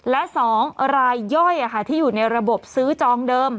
และ๒รายย่อยที่อยู่ในระบบซื้อจองเดิม